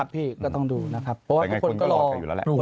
พี่ก็ต้องดูนะครับเพราะว่าทุกคนก็รออยู่แล้วแหละ